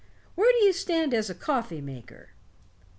Where do you stand as a coffee maker?"